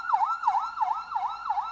dari keadaan mereka